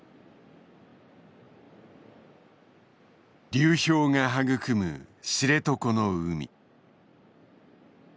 流氷が育む知床の海。